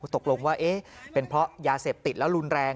ตกลงว่าเป็นเพราะยาเสพติดแล้วรุนแรง